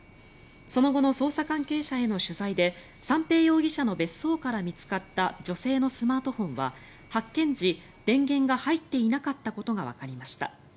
その後の捜査関係者への取材で三瓶容疑者の別荘から見つかった女性のスマートフォンは発見時、電源が入っていなかったことがわかりました。